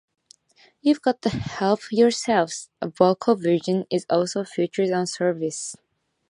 "You've Got to Help Yourself"'s vocal version is also featured on "Service".